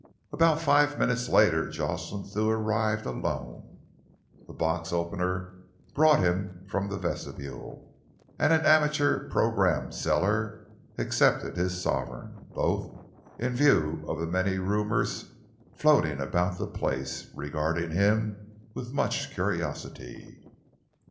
About five minutes later, Jocelyn Thew arrived alone. The box opener brought him from the vestibule, and an amateur programme seller accepted his sovereign both, in view of the many rumours floating about the place, regarding him with much curiosity.